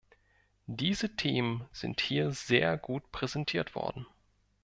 Diese Themen sind hier sehr gut präsentiert worden.